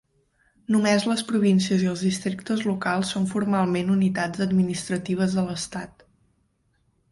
Només les províncies i els districtes locals són formalment unitats administratives de l'estat.